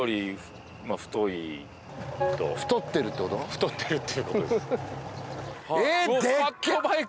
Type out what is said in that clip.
太ってるっていうことですえっ